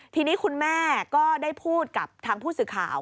ทีนี้คุณแม่ก็ได้พูดกับทางผู้สื่อข่าว